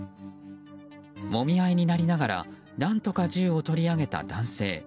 もみ合いになりながら何とか銃を取り上げた男性。